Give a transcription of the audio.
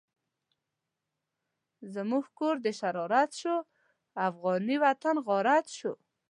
زموږ کور د شرارت شو، افغانی وطن غارت شو